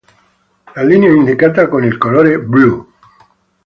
La linea è indicata con il colore blu.